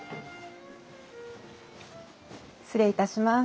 失礼いたします。